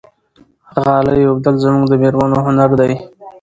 غالۍ اوبدل زموږ د مېرمنو هنر دی.